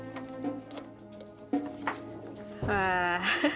gak ada apa apa ini udah gila